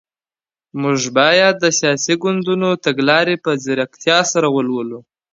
موږ بايد د سياسي ګوندونو تګلاري په ځيرتيا سره ولولو.